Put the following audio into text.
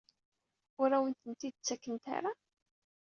Ur awen-tent-id-ttakent ara?